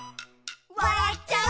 「わらっちゃう」